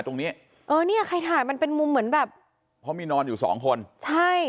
ตรงนี้เออเนี้ยใครถ่ายมันเป็นมุมเหมือนแบบเพราะมีนอนอยู่สองคนใช่